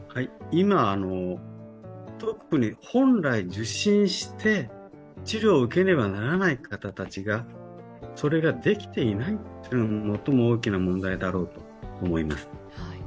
今、特に本来受診して治療を受けねばならない方たちがそれができていないというのが大きな問題だろうと思います。